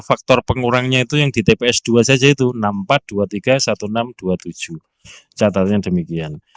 faktor pengurangnya itu yang di tps dua saja itu enam empat dua tiga satu enam dua tujuh catatnya demikian